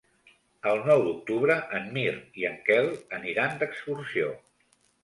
El nou d'octubre en Mirt i en Quel aniran d'excursió.